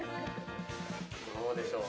どうでしょう？